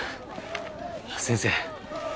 先生。